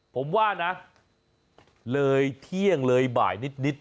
ผมว่านะเลยเที่ยงเลยบ่ายนิด